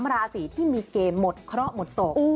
ราศีที่มีเกณฑ์หมดเคราะห์หมดโศก